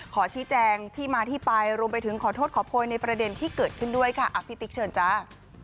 ขอชี้แจงที่มาที่ไปรวมไปถึงขอโทษขอโพยในประเด็นที่เกิดขึ้นด้วยค่ะพี่ติ๊กเชิญจ้า